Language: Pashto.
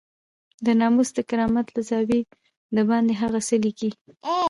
د ناموس د کرامت له زاويې دباندې هغه څه ليکي.